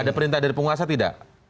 ada perintah dari penguasa tidak